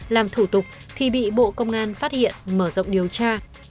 làm thủ tục thì bị bộ công an phát hiện mở rộng điều tra